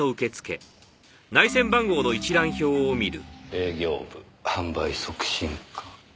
営業部販売促進課。